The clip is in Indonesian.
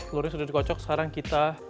murid murid kocok sekarang kita